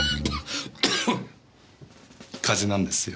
風邪なんですよ。